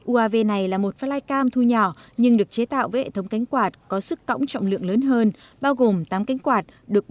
uav này là một flycam thu nhỏ nhưng được chế tạo với hệ thống cánh quạt có sức cổng trọng lượng lớn hơn bao gồm tám cánh quạt